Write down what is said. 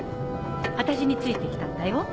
私について来たんだよ。